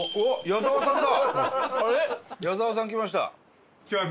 矢沢さん来ました。